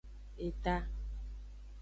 Eta.